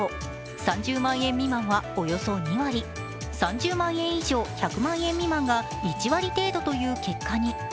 ３０万円未満はおよそ２割、３０万円以上１００万円未満が１割程度という結果に。